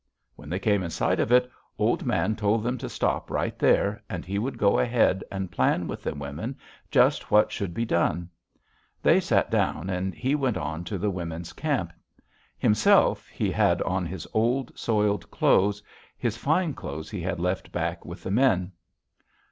When they came in sight of it, Old Man told them to stop right there, and he would go ahead and plan with the women just what should be done. They sat down, and he went on to the women's camp. Himself, he had on his old, soiled clothes; his fine clothes he had left back with the men.